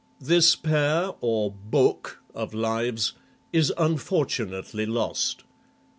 This pair, or " book,' of Lives is unfortunately lost.